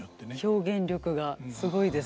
表現力がすごいですね。